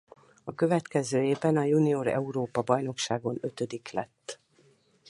A következő évben a junior Európa-bajnokságon ötödik lett.